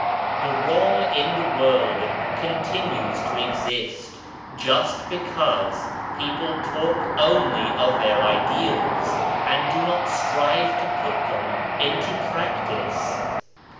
The wrong in the world continues to exist just because people talk only of their ideals, and do not strive to put them into practice.